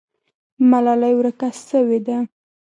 ملالۍ ورکه سوې ده.